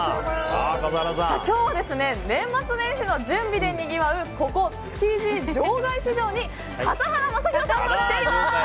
今日は年末年始の準備でにぎわうここ、築地場外市場に笠原将弘さんが来ています！